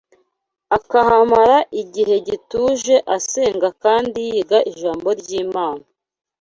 akahamara igihe gituje asenga kandi yiga ijambo ry’Imana